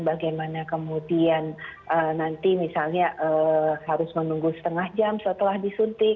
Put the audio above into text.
bagaimana kemudian nanti misalnya harus menunggu setengah jam setelah disuntik